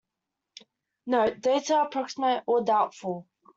"Note: Dates are approximate or doubtful"